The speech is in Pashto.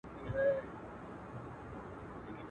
هلته به پوه سې چي د میني اور دي وسوځوي.